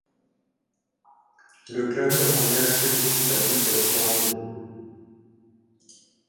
Le club engage sept équipes adultes à différents niveaux.